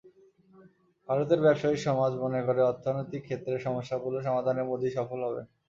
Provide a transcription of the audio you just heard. ভারতের ব্যবসায়ী সমাজ মনে করে, অর্থনৈতিক ক্ষেত্রে সমস্যাগুলো সমাধানে মোদি সফল হবেন।